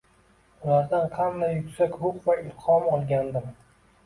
Ulardan qanday yuksak ruh va ilhom olgandim.